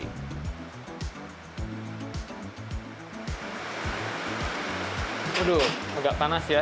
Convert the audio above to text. aduh agak panas ya